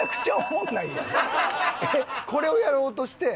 えっこれをやろうとして